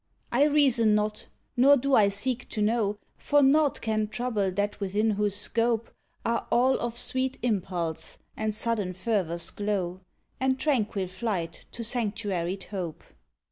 I reason not, nor do I seek to know, For naught can trouble that within whose scope Are all of sweet impulse and sudden fervour's glow, And tranquil flight to sanctuaried hope.